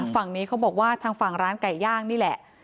ฝั่งนี้เขาบอกว่าทางฝั่งร้านไก่ย่างนี่แหละ